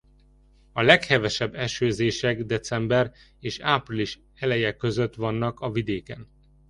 A leghevesebb esőzések december és április eleje közt vannak a vidéken.